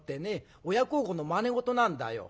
親孝行のまね事なんだよ。